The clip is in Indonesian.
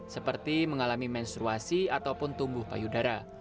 seperti mengalami menstruasi ataupun tumbuh payudara